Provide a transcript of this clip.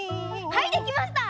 はいできました！